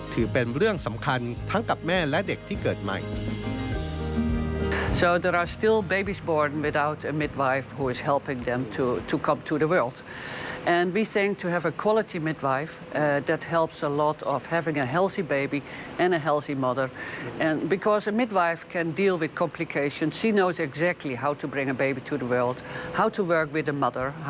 ถือเป็นเรื่องสำคัญทั้งกับแม่และเด็กที่เกิดใหม่